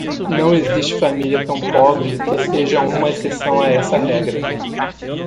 Não existe família tão pobre que seja uma exceção a essa regra.